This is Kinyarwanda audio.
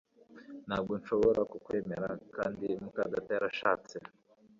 Ntabwo nshobora kukwemera kandi muka data yarashatse